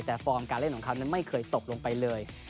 แต่ฟอร์มการเล่นของเขานั้นไม่เคยตกลงไปเลย